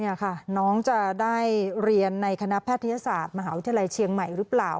นี่ค่ะน้องจะได้เรียนในคณะแพทยศาสตร์มหาวิทยาลัยเชียงใหม่หรือเปล่า